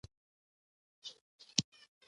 هغه له کوڼوالي سره سره بیا هم کار کوي